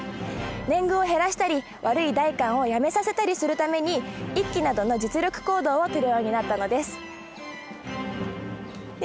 年貢を減らしたり悪い代官を辞めさせたりするために一揆などの実力行動をとるようになったのです。ね？